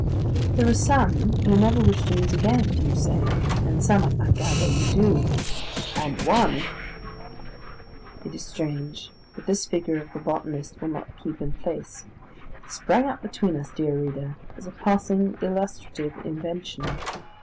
There are some you never wish to meet again, you say, and some, I gather, you do. "And One !" It is strange, but this figure of the botanist will not keep in place. It sprang up between us, dear reader, as a passing illustrative invention.